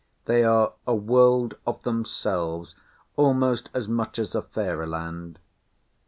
They are a world of themselves almost as much as fairy land.